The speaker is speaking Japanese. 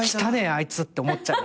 あいつって思っちゃう。